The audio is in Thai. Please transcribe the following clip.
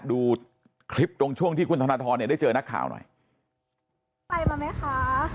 ดูคลิปตรงช่วงที่คุณธนทรเนี่ยได้เจอนักข่าวหน่อยไปมาไหมคะ